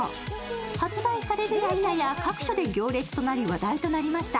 発売されるやいなや各所で行列となり話題となりました。